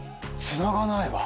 つながないわ！